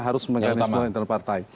harus mengalami semua internal partai